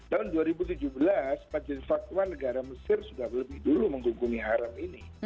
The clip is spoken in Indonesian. tahun dua ribu tujuh belas majelis fatwa negara mesir sudah lebih dulu menghubungi haram ini